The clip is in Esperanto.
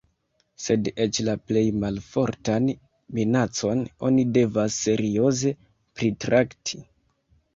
Sed eĉ la plej malfortan minacon oni devas serioze pritrakti.